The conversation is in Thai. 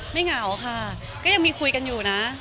เหงาค่ะก็ยังมีคุยกันอยู่นะ